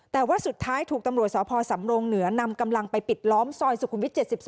แต่ว่าสุดท้ายถูกตำรวจสพสำรงเหนือนำกำลังไปปิดล้อมซอยสุขุมวิทย๗๒